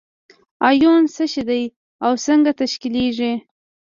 ایون څه شی دی او څنګه تشکیلیږي؟